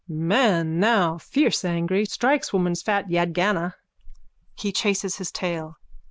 Man, now fierce angry, strikes woman's fat yadgana. _(He chases his tail.)